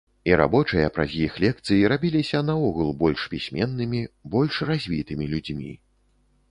І рабочыя праз іх лекцыі рабіліся наогул больш пісьменнымі, больш развітымі людзьмі.